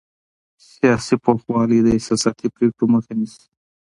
سیاسي پوخوالی د احساساتي پرېکړو مخه نیسي